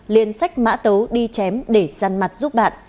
liên sách mã tấu đi chém để săn mặt giúp bạn